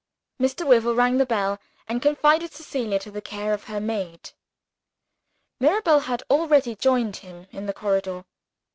Mr. Wyvil rang the bell and confided Cecilia to the care of her maid. Mirabel had already joined him in the corridor.